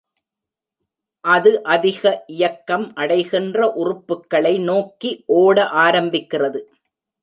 அது அதிக இயக்கம் அடைகின்ற உறுப்புக்களை நோக்கி ஓட ஆரம்பிக்கிறது.